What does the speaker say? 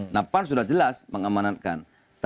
nah pan sudah jelas mengamanatkan